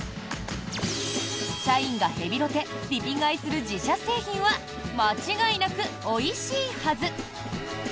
社員がヘビロテ・リピ買いする自社製品は間違いなく、おいしいはず！